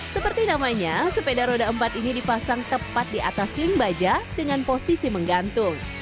seperti namanya sepeda roda empat ini dipasang tepat di atas link baja dengan posisi menggantung